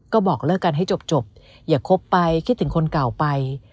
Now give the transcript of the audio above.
ก็บอกเลิกกันให้จบอย่าคบไปคิดถึงคนเก่าไป